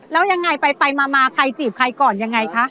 แล้วยังไงไปมาใครจีบใครก่อนยังไงคะ